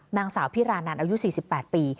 นางสาวพิราณานแน่อายุสิบแปดปี